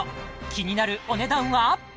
気になるお値段は？